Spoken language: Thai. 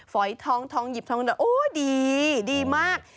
ฝอยทองทองหยิบทองโอ้ดีดีมาก